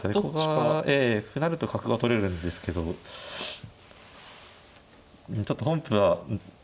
ここは歩成ると角が取れるんですけどちょっと本譜は。